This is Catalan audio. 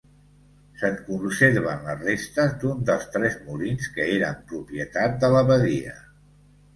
Se'n conserven les restes d'un dels tres molins que eren propietat de l'abadia.